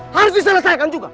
harus diselesaikan juga